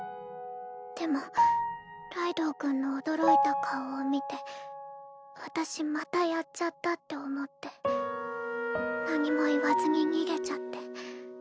でもライドウ君の驚いた顔を見て私またやっちゃったって思って何も言わずに逃げちゃって。